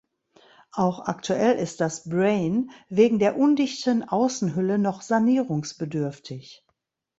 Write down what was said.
Auch aktuell ist das „Brain“ wegen der undichten Außenhülle noch sanierungsbedürftig.